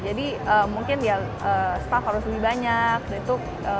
jadi mungkin ya staff harus lebih banyak gitu